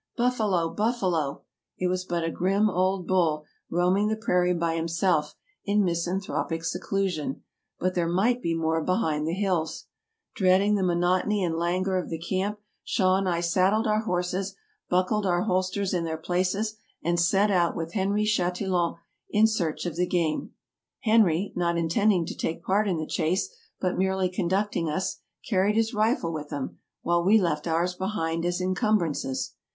" Buffalo! buffalo! " It was but a grim old bull, roam ing the prairie by himself in misanthropic seclusion; but there might be more behind the hills. Dreading the monot ony and languor of the camp, Shaw and I saddled our horses, buckled our holsters in their places, and set out with Henry Chatillon in search of the game. Henry, not intend ing to take part in the chase, but merely conducting us, carried his rifle with him, while we left ours behind as incum brances.